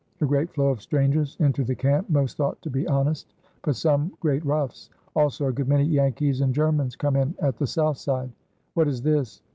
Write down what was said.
'A great flow of strangers into the camp, most thought to be honest, but some great roughs; also a good many Yankees and Germans come in at the south side.' What is this?